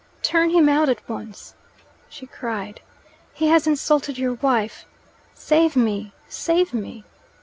"Turn him out at once!" she cried. "He has insulted your wife. Save me, save me!"